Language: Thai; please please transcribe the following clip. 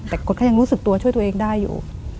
แต่กฎก็ยังรู้สึกตัวช่วยตัวเองได้อยู่